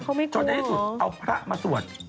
เขาไม่พูดหรอจนในที่สุดเอาพระมาสวด